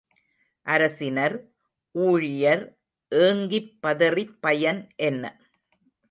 அரசினர், ஊழியர் ஏங்கிப், பதறிப் பயன் என்ன?